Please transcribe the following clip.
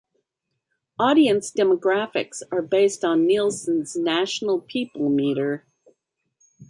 Audience demographics are based on Nielsen's national People Meter.